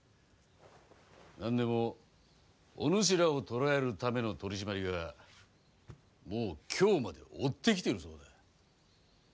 何でもお主らを捕らえるための取締りがもう京まで追ってきてるそうだ。